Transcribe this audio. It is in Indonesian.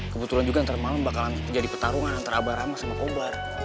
kebetulan juga nanti malam bakalan jadi pertarungan antara abarama sama kobar